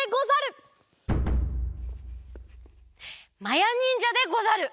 まやにんじゃでござる！